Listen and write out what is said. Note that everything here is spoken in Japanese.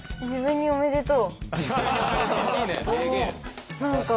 「自分におめでとう」